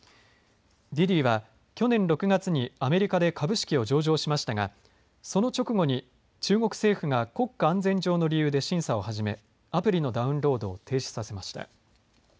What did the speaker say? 滴滴は、去年６月にアメリカで株式を上場しましたが、その直後に中国政府が国家安全上の理由で審査を始め、アプリのダウンロードを停止させました。